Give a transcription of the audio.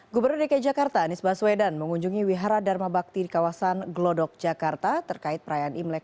gubernur dki jakarta anies baswedan mengunjungi wihara dharma bakti di kawasan glodok jakarta terkait perayaan imlek dua ribu lima ratus tujuh puluh